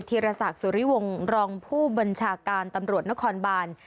ีรศักดิ์สุริวงศ์รองผู้บัญชาการตำรวจนครบาน